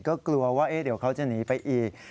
ก็กลัวว่าเดี๋ยวเขาจะหนีไปอีก